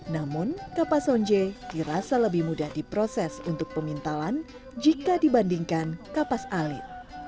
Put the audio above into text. namun kapas honje dirasa lebih mudah diproses untuk pemintalan jika dibandingkan kapas alit